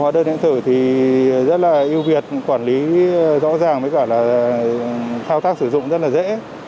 hóa đơn điện tử thì rất là yêu việt quản lý rõ ràng với cả là thao tác sử dụng rất là dễ